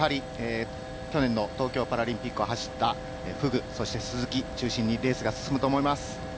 去年の東京パラリンピックを走ったフグ、鈴木を中心にレースが進むと思います。